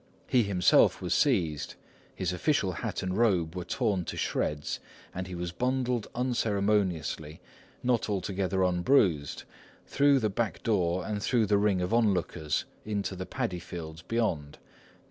He himself was seized, his official hat and robe were torn to shreds, and he was bundled unceremoniously, not altogether unbruised, through the back door and through the ring of onlookers, into the paddy fields beyond.